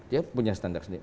dia punya standar sendiri